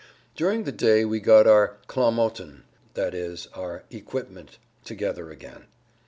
During the day we got our "Klamotten," i.e., our equipment together again.